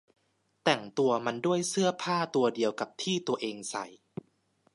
แต่งตัวมันด้วยเสื้อผ้าตัวเดียวกับที่ตัวเองใส่